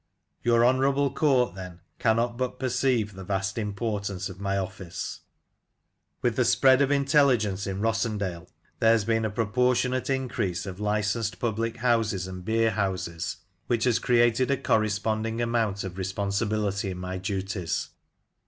Your honourable court, then, cannot but perceive the vast importance of my office. "With the spread of intelligence in Rossendale there has been a proportionate increase of licensed public houses and The Last of tlte Ale Tasters. 23 beerhouses, which has created a corresponding amount of responsibility in my duties.